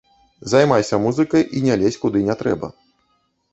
Займайся музыкай і не лезь туды, куды не трэба.